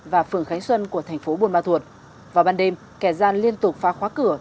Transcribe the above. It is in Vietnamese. và phường khánh xuân của thành phố buôn ma thuột vào ban đêm kẻ gian liên tục phá khóa cửa